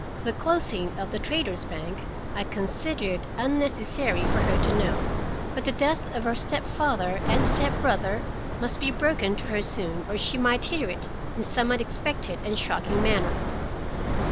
The closing of the Traders' Bank I considered unnecessary for her to know, but the death of her stepfather and stepbrother must be broken to her soon, or she might hear it in some unexpected and shocking manner.